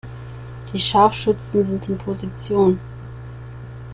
Die Scharfschützen sind in Position.